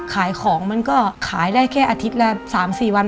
ขายของมันก็ขายได้แค่อาทิตย์ละ๓๔วัน